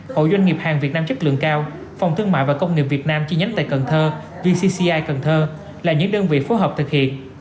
hộ doanh nghiệp hàng việt nam chất lượng cao phòng thương mại và công nghiệp việt nam chi nhánh tại cần thơ là những đơn vị phù hợp thực hiện